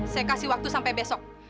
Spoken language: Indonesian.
saya kasih waktu sampai besok